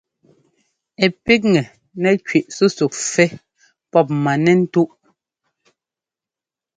Ɛ píkŋɛ nɛ́ kẅí súsúk fɛ́ pɔp manɛ́ntúʼ.